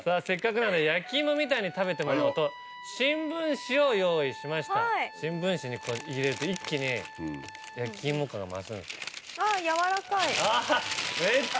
せっかくなんで焼き芋みたいに食べてもらおうと新聞紙を用意しました新聞紙に入れると一気に焼き芋感が増すんです。